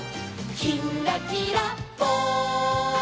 「きんらきらぽん」